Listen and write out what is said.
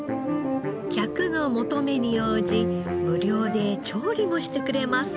客の求めに応じ無料で調理もしてくれます。